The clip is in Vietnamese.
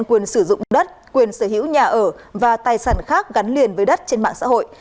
quyền sử dụng đất quyền sở hữu nhà ở và tài sản khác gắn liền với đất trên mạng xã hội